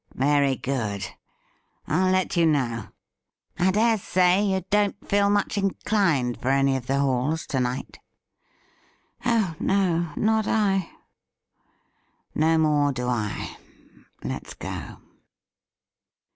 ' Very good. FIJ let you know. I dare say you don't feel much inclined for any of the halls to night ?'« Oh no ; not I.' *No more do I. Let's go.'